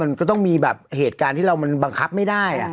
มันก็ต้องมีแบบเหตุการณ์ที่เรามันบังคับไม่ได้